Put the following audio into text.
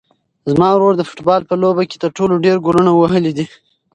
زما ورور د فوټبال په لوبه کې تر ټولو ډېر ګولونه وهلي دي.